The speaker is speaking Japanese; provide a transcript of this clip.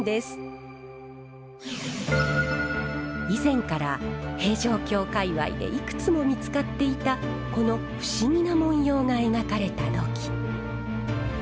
以前から平城京界わいでいくつも見つかっていたこの不思議な文様が描かれた土器。